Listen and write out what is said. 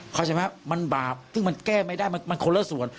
เข้าใจไหมมันบาปซึ่งมันแก้ไม่ได้มันคนละส่วน